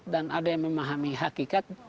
dan ada yang memahami hakikat